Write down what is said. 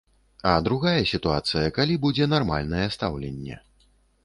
А другая сітуацыя, калі будзе нармальнае стаўленне.